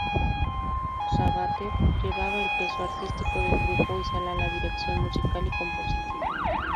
Sabater llevaba el peso artístico del grupo y Sala la dirección musical y compositiva.